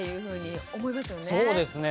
そうですね。